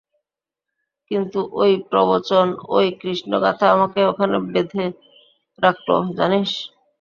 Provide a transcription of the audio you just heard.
কিন্তু ওই প্রবচন, ওই কৃষ্ণগাঁথা আমাকে ওখানে বেঁধে রাখলো, জানিস!